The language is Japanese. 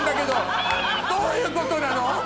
どういうことなの？